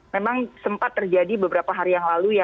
memang sempat terjadi beberapa hari yang lalu ya